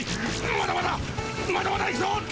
まだまだまだまだいくぞ。